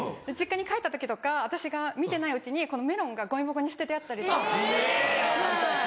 実家に帰った時とか私が見てないうちにこのメロンがゴミ箱に捨ててあったりとか。